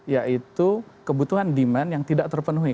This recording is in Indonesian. yaitu kebutuhan demand yang tidak terpenuhi